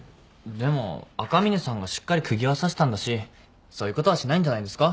でも赤嶺さんがしっかり釘は刺したんだしそういうことはしないんじゃないですか。